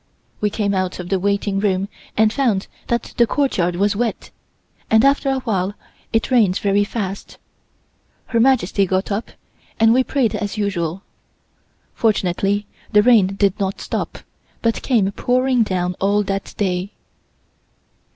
We came out of the waiting room and found that the courtyard was wet, and after a while it rained very fast. Her Majesty got up, and we prayed as usual. Fortunately the rain did not stop, but came pouring down all that day.